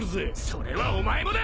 それはお前もだ！